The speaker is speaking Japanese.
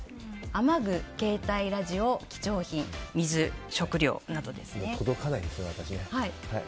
雨具、携帯ラジオ、貴重品水、食料などですね。